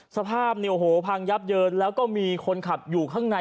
สภาพเนี่ยโอ้โหพังยับเยินแล้วก็มีคนขับอยู่ข้างใน